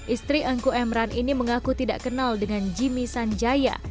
istri engku emran ini mengaku tidak kenal dengan jimmy sanjaya